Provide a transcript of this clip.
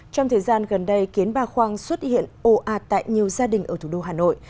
trong thời gian gần đây kiến ba khoang xuất hiện ồ ạt tại nhiều gia đình ở thủ đô hà nội